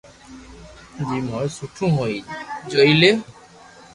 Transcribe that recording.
جيم ھوئي سٺو ھوئي جوئي ليو